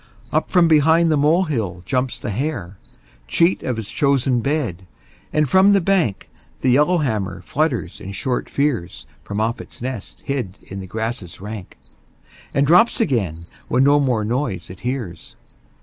Up from behind the molehill jumps the hare, Cheat of his chosen bed, and from the bank The yellowhammer flutters in short fears From off its nest hid in the grasses rank, And drops again when no more noise it hears.